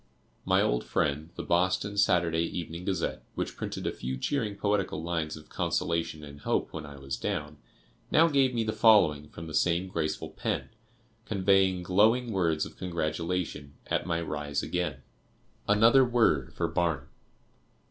My old friend, the Boston Saturday Evening Gazette, which printed a few cheering poetical lines of consolation and hope when I was down, now gave me the following from the same graceful pen, conveying glowing words of congratulation at my rise again: ANOTHER WORD FOR BARNUM.